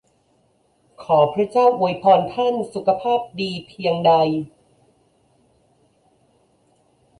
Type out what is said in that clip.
ขอพระเจ้าอวยพรท่านสุขภาพดีเพียงใด !